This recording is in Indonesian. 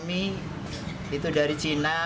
mie itu dari cina